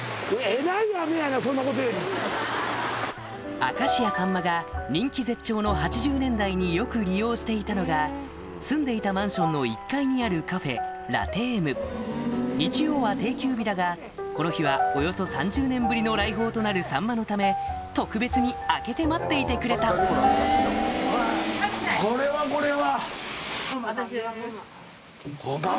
明石家さんまが人気絶頂の８０年代によく利用していたのが住んでいたマンションの１階にあるカフェ日曜は定休日だがこの日はおよそ３０年ぶりの来訪となるさんまのため特別に開けて待っていてくれたこれはこれは。